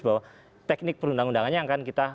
bahwa teknik perundang undangannya